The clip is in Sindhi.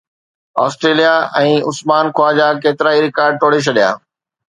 اسٽريليا ۽ عثمان خواجا ڪيترائي رڪارڊ ٽوڙي ڇڏيا